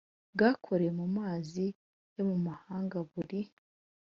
bwakoreye mu mazi yo mu mahanga buri